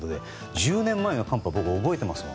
１０年前の寒波を覚えてますもん。